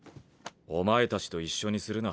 お前たちと一緒にするな。